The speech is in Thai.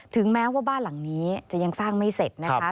ถึงแม้ว่าบ้านหลังนี้จะยังสร้างไม่เสร็จนะคะ